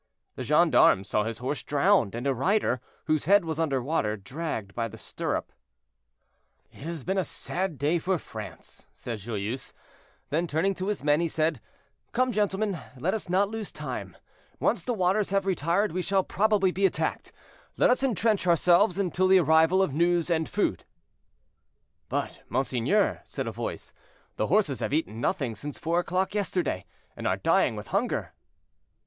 "The gendarmes saw his horse drowned, and a rider, whose head was under water, dragged by the stirrup." "It has been a sad day for France," said Joyeuse. Then turning to his men he said, "Come, gentlemen, let us not lose time. Once the waters have retired we shall probably be attacked. Let us intrench ourselves until the arrival of news and food." "But, monseigneur," said a voice, "the horses have eaten nothing since four o'clock yesterday, and are dying with hunger."